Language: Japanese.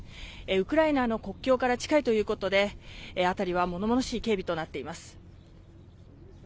ウクライナの国境から近いということで辺りは物々しい警備となっています。